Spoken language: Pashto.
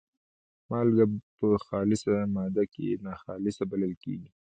مالګه په خالصه ماده کې ناخالصه بلل کیږي.